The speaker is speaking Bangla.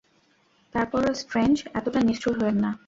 তারপরও স্ট্রেঞ্জ, এতটা নিষ্ঠুর হয়েন না।